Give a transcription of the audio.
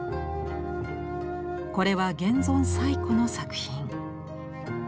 これは現存最古の作品。